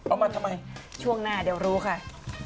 อันนี้ไปเอาหมาตรีวัสออกมา